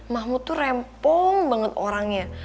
mahmud tuh rempong banget orangnya